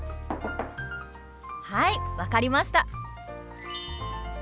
はい分かりました！